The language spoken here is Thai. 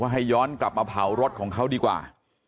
ให้ย้อนกลับมาเผารถของเขาดีกว่า